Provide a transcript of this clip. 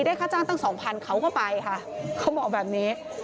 ได้ค่าจ้างตั้ง๒๐๐๐เขาก็ไปค่ะเขาบอกแบบนี้